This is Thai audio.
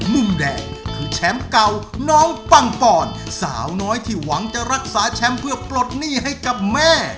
มุมแดงคือแชมป์เก่าน้องปังปอนสาวน้อยที่หวังจะรักษาแชมป์เพื่อปลดหนี้ให้กับแม่